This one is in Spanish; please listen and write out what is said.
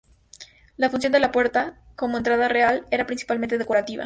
La función de la puerta, como entrada real, era principalmente decorativa.